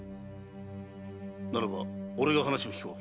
ならば俺が話を聞こう。